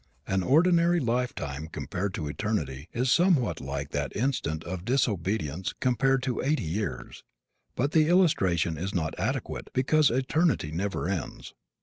An ordinary lifetime compared to eternity is somewhat like that instant of disobedience compared to eighty years, but the illustration is not adequate because eternity never ends.